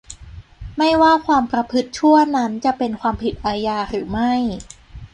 ไม่ว่าความประพฤติชั่วนั้นจะเป็นความผิดอาญาหรือไม่